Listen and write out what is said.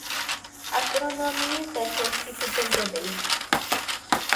ასტრონომიის ერთ-ერთი ფუძემდებელი.